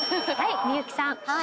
はい美有姫さん。